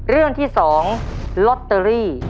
เรื่องที่๒ลอตเตอรี่